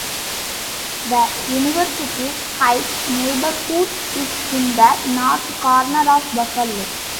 The University Heights neighborhood is in the north corner of Buffalo.